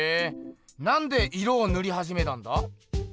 なんで色をぬりはじめたんだ？